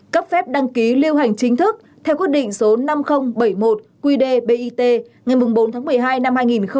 cấp phép đăng ký lưu hành chính thức theo quyết định số năm nghìn bảy mươi một qd bit ngày bốn tháng một mươi hai năm hai nghìn một mươi bảy